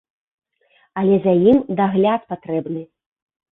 Але за ім дагляд патрэбны.